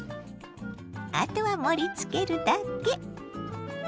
あとは盛りつけるだけ。